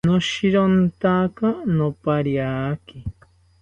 Noshirontaka nopariaki